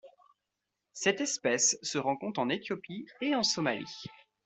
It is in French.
Cette espèce se rencontre en Éthiopie et en Somalie.